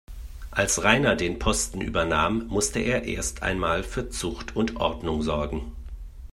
Als Rainer den Posten übernahm, musste er erst einmal für Zucht und Ordnung sorgen.